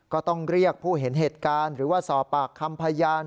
ก็ต้องเรียกผู้เห็นเหตุการณ์หรือว่าสอบปากคำพยาน